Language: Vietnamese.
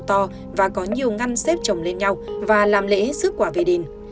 nó to và có nhiều ngăn xếp trồng lên nhau và làm lễ rước quả về đền